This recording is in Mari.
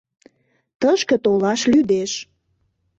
— Тышке толаш лӱдеш.